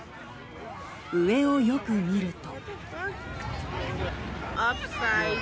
上をよく見ると。